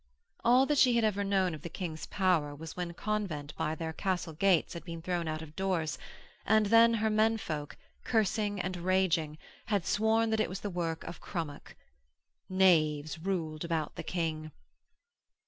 All that she had ever known of the King's power was when the convent by their castle gates had been thrown out of doors, and then her men folk, cursing and raging, had sworn that it was the work of Crummock. 'Knaves ruled about the King.'